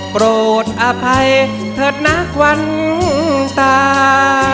โปรดอภัยเถิดหน้าควันตา